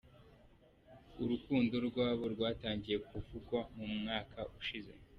Urukundo rwabo rwatangiye kuvugwa mu mwaka ushize.